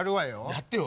やってよ。